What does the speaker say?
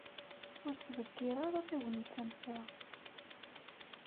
Ur ttḍeggir ara tagnit am ta.